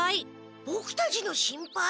ボクたちの心配？